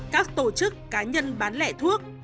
các tổ chức cá nhân bán lẻ thuốc